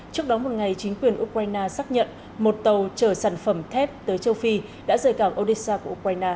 trước đó một ngày chính quyền ukraine xác nhận một tàu chở sản phẩm thép tới châu phi đã rời cảng odisha của ukraine